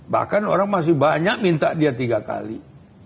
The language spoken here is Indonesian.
bahkan orang masih banyak minta dia tiga kali